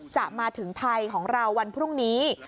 จะมาถึงไทยของเราวันพรุ่งนี้